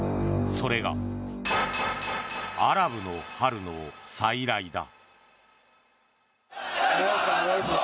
それが、アラブの春の再来だ。